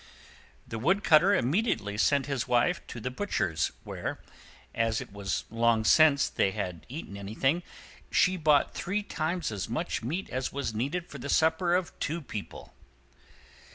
The Wood cutter immediately sent his Wife to the butcher's, where, as it was long since they had eaten anything, she bought three times as much meat as was needed for the supper of two people.